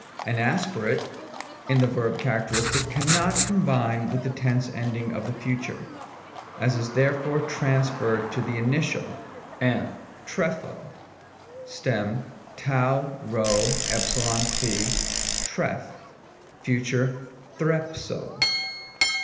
An aspirate in the verb characteristic cannot combine with the tense ending of the Future, and is therefore transferred to the initial; as, TQsgj'Cj (stem rp^gp). Future ^Qaip co.